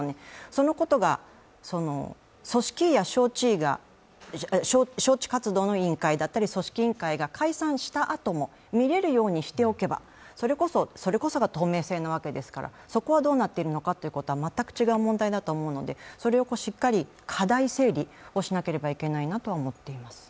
そのことが招致活動の委員会だったり組織委員会が解散したあとも見られるようにしておけばそれこそが透明性なわけですからそこがどうなっているかは全く違う問題だと思うので、それをしっかり課題整理をしなければいけないなと思っています。